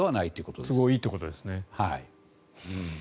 都合がいいということですね。